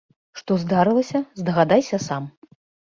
Што здарылася, здагадайся сам!